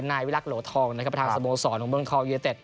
นายวิลักษณ์โหลดทองประธานสโมสรของบริษัทบริษฐศิลป์